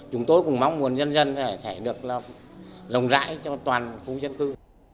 chúng tôi cũng mong muốn nhân dân sẽ được rộng rãi cho toàn khu dân cư